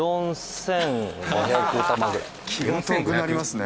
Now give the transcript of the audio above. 気が遠くなりますね。